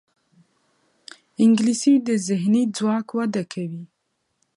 انګلیسي د ذهني ځواک وده کوي